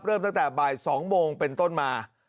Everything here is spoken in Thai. เริ่มตั้งแต่บ่าย๒โมงเป็นต้นมา